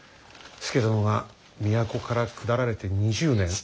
佐殿が都から下られて２０年。